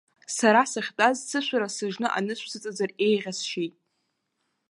Сара сахьтәаз, сышәара сыжны анышә сыҵазар еиӷьасшьеит.